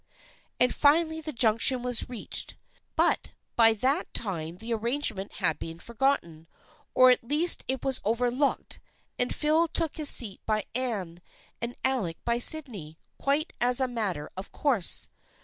And finally the Junction was reached, but by that time the arrangement had been forgotten, or at least it was overlooked, and Phil took his seat by Anne, and Alec by Sydney, quite as a matter of course.